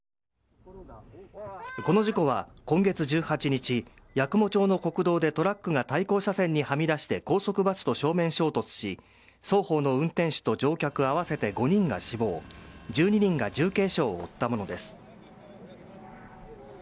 この事故は今月１８日、八雲町の国道でトラックが対向車線にはみ出して、高速バスと正面衝突し、双方の運転手と乗客合わせて５人が死亡、１２人が重軽傷を負ったものです。